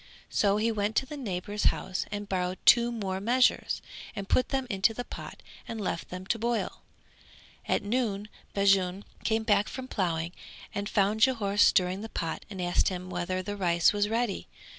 So he went to a neighbour's house and borrowed two more measures, and put them into the pot and left them to boil. At noon Bajun came back from ploughing and found Jhore stirring the pot and asked him whether the rice was ready.